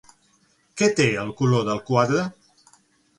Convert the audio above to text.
Què té el color del quadre?